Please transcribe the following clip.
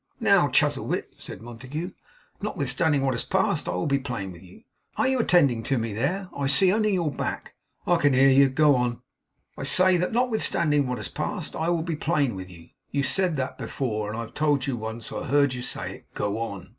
'Now, Chuzzlewit,' said Montague, 'notwithstanding what has passed I will be plain with you. Are you attending to me there? I only see your back.' 'I hear you. Go on!' 'I say that notwithstanding what has passed, I will be plain with you.' 'You said that before. And I have told you once I heard you say it. Go on.